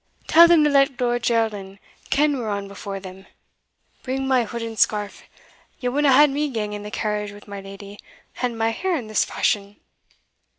Tell them to let Lord Geraldin ken we're on before them. Bring my hood and scarf ye wadna hae me gang in the carriage wi' my leddy, and my hair in this fashion?"